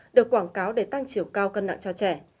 được quảng cáo để tăng chiều cao cân nặng cho trẻ